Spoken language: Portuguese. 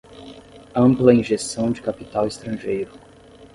ampla injeção de capital estrangeiro